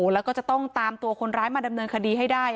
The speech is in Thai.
แล้วก็จะต้องตามตัวคนร้ายมาดำเนินคดีให้ได้